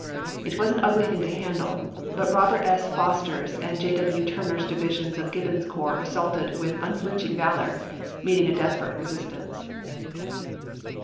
It was an ugly thing to handle, but Eobert S. Foster's and J. W. Turner's divisions of Gibbon's corps assaulted with unflinch ing valor, meeting a desperate resistance.